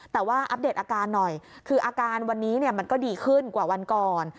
แต่ว่าอัปเดตอาการหน่อยคืออาการวันนี้มันก็ดีขึ้นกว่าวันก่อน